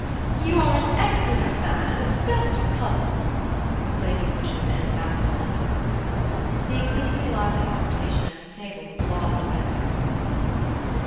"You are an excellent man, and the best of cousins," was Lady Busshe's enigmatical answer. The exceedingly lively conversation at his table was lauded by Lady Culmer.